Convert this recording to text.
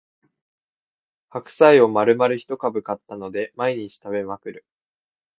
白菜をまるまる一株買ったので毎日食べまくる